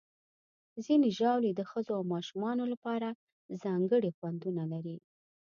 ځینې ژاولې د ښځو او ماشومانو لپاره ځانګړي خوندونه لري.